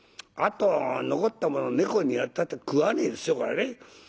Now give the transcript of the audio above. あと残ったもの猫にやったって食わねえでしょうからね。